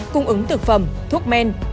cung ứng thực phẩm thuốc men